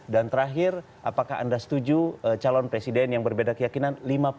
dan terakhir apakah anda setuju calon presiden yang berbeda keyakinan